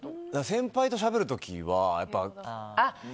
先輩としゃべる時はやっぱり。